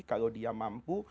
kalau dia mampu